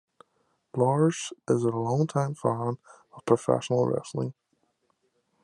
Lars is a longtime fan of professional wrestling.